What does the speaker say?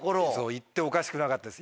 行っておかしくなかったです。